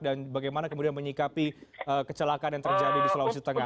bagaimana kemudian menyikapi kecelakaan yang terjadi di sulawesi tengah